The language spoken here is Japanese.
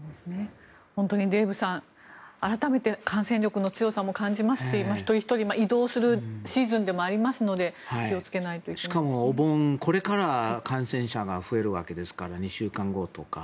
本当にデーブさん改めて感染力の強さも感じますし一人ひとり移動するシーズンでもありますのでしかもお盆、これから感染者が増えるわけですから２週間後とか。